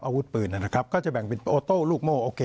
อาวุธปืนนะครับก็จะแบ่งเป็นโอโต้ลูกโม่โอเค